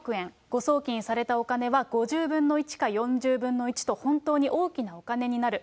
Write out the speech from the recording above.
誤送金されたお金は５０分の１か４０分の１と、本当に大きなお金になる。